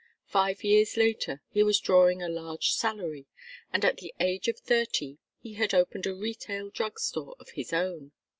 Five years later he was drawing a large salary, and at the age of thirty he had opened a retail drug store of his own.